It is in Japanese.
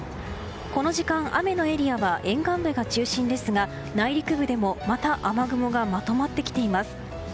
この時間雨のエリアは沿岸部が中心ですが内陸部でも、また雨雲がまとまってきています。